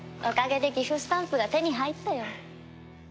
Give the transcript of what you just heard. おかげでギフスタンプが手に入ったよ。